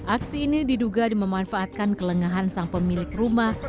aksi ini diduga dimanfaatkan kelengahan sang pemilik rumah